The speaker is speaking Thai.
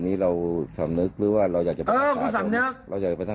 นี่มึงจะมา